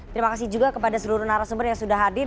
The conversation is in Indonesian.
terima kasih juga kepada seluruh narasumber yang sudah hadir